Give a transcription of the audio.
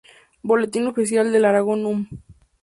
Boletín Oficial de Aragón núm.